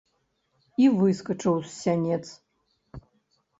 І выскачыў з сянец.